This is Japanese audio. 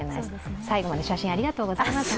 最後まで写真ありがとうございます。